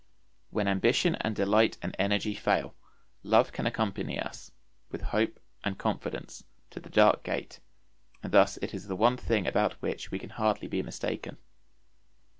When ambition and delight and energy fail, love can accompany us, with hope and confidence, to the dark gate; and thus it is the one thing about which we can hardly be mistaken.